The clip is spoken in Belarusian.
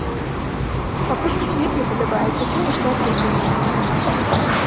Пакуль мне вельмі падабаецца тое, што атрымліваецца.